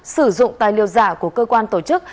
sử dụng tài liệu giả của cơ quan tổ chức